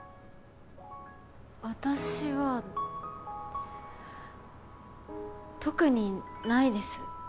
私は特にないです